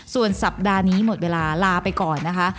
ส่วนสัปดาห์นี้หมดเวลาลาไปก่อนนะคะ